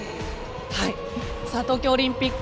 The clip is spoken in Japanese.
東京オリンピック